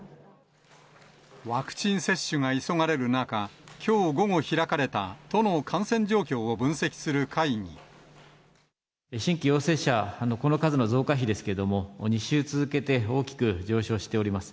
ワクチン接種が急がれる中、きょう午後開かれた、都の感染状新規陽性者、この数の増加比ですけれども、２週続けて大きく上昇しております。